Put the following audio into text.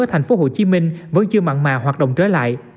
ở thành phố hồ chí minh vẫn chưa mặn mà hoạt động trở lại